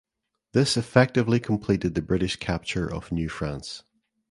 This effectively completed the British capture of New France.